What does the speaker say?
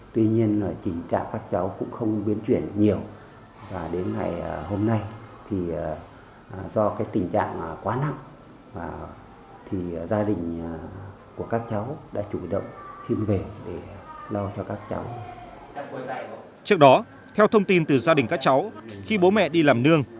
trước đó theo thông tin từ gia đình các cháu khi bố mẹ đi làm nương